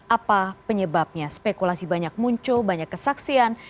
apa penyebabnya spekulasi banyak muncul banyak kesaksian